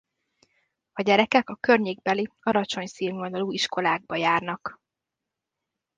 A gyerekek a környékbeli alacsony színvonalú iskolákba járnak.